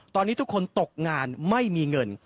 ตอนนี้ทุกคนตกงานไม่มีเงิน